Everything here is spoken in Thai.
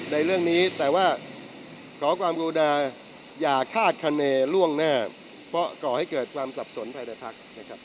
แต่ก่อให้เกิดความสับสนภายในภาค